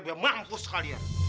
biar mampus kalian